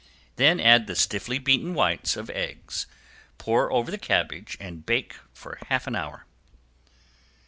Then add the stiffly beaten whites of the eggs, pour over the cabbage and bake for half an hour.